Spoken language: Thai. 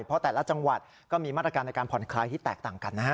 เพราะแต่ละจังหวัดก็มีมาตรการในการผ่อนคลายที่แตกต่างกันนะฮะ